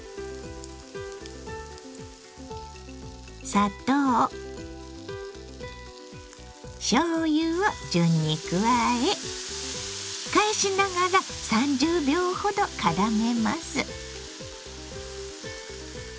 砂糖しょうゆを順に加え返しながら３０秒ほどからめます。